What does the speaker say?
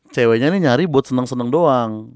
ceweknya ini nyari buat seneng seneng doang